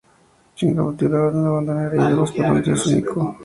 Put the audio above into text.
Chu`ayb dio la orden de abandonar los ídolos por un Dios único.